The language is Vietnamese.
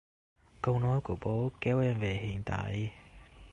Câu nói của bố kéo em về hiện tại